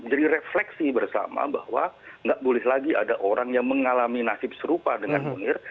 jadi refleksi bersama bahwa tidak boleh lagi ada orang yang mengalami nasib serupa dengan mundir